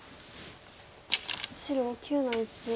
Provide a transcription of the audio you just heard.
白９の一。